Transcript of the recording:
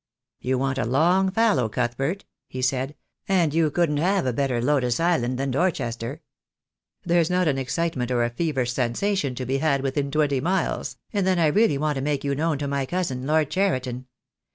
"You want a long fallow, Cuthbert," he said, "and you couldn't have a better lotus island than Dorchester. There's not an excitement or a feverish sensation to be had within twenty miles, and then I really want to make you known to my cousin, Lord Cheriton.